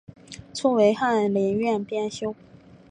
初为翰林院编修。